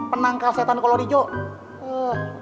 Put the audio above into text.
penangkal setan kolor hijau